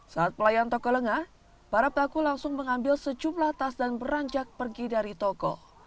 saat pelayan toko lengah para pelaku langsung mengambil sejumlah tas dan beranjak pergi dari toko